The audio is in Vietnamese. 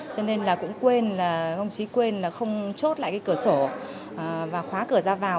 cho nên là cũng quên là không chí quên là không chốt lại cái cửa sổ và khóa cửa ra vào